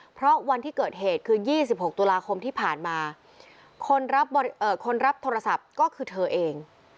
เพราะวันที่เกิดเหตุคือ๒๖ตุลาคมที่ผ่านมาคนรับโทรศัพท์ก็คือเธอเอง